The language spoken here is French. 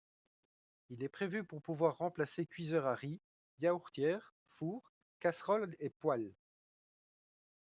Il est prévu pour pouvoir remplacer cuiseur à riz, yaourtière, four, casseroles et poêles.